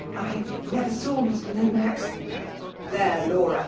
^*' I never saw Mr. Lomax." ^ There, Laura